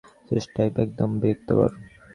Space-type শক্তি একদম বিরক্তিকর!